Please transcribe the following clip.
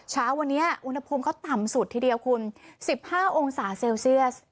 เช้าวันนี้อุณหภูมิเขาต่ำสุดทีเดียวคุณ๑๕องศาเซลเซียส